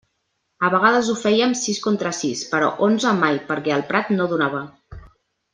A vegades ho fèiem sis contra sis, però onze mai perquè el prat no donava.